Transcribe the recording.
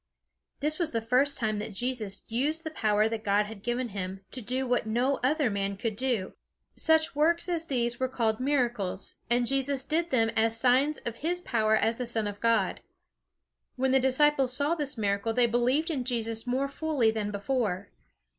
This was the first time that Jesus used the power that God had given him, to do what no other man could do. Such works as these were called "miracles"; and Jesus did them as signs of his power as the Son of God. When the disciples saw this miracle, they believed in Jesus more fully than before.